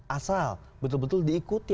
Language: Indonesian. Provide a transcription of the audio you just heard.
asal betul betul diikuti